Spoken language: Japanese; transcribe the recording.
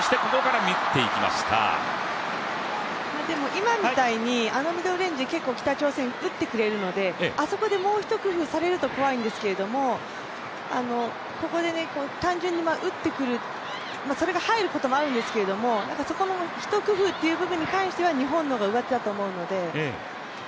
今みたいに、あのミドルレンジ、結構、北朝鮮、打ってくれるので、あそこでもうひと工夫されると怖いんですけれども、ここで単純に打ってくる、それが入ることもあるんですけれどもそこのひと工夫という部分に関しては日本の方がうわてだと思うので。